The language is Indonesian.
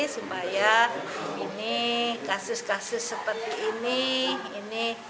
supaya kasus kasus seperti ini